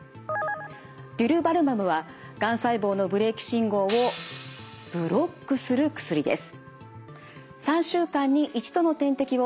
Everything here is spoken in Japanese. デュルバルマブはがん細胞のブレーキ信号をブロックする薬です。